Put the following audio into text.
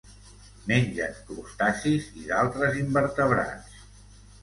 Mengen crustacis i d'altres invertebrats.